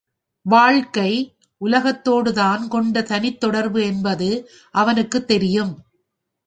வாழ்க்கை உலகத்தோடு தான் கொண்ட தனித் தொடர்பு என்பது அவனுக்குத் தெரியும்.